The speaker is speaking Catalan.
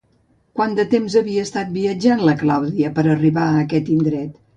Quant de temps havia estat viatjant la Clàudia per a arribar a aquest indret?